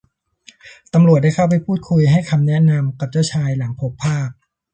ตำรวจได้เข้าไปพูดคุยให้คำแนะนำกับเจ้าชายหลังพบภาพ